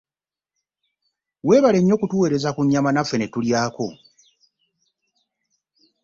Weebale nnyo kutuweereza ku nnyama naffe ne tulyaako.